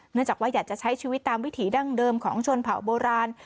จากว่าอยากจะใช้ชีวิตตามวิถีดั้งเดิมของชนเผ่าโบราณ